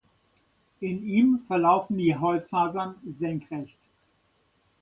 In ihm verlaufen die Holzfasern senkrecht.